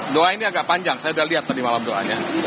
doa ini agak panjang saya sudah lihat tadi malam doanya